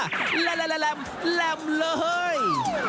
แหล่มแหล่มเลย